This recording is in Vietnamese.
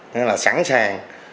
nên là sẵn sàng